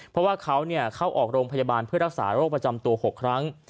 เพราะว่าเขาเข้าออกโรงพยาบาลเพื่อรักษาโรคประจำตัว๖ครั้ง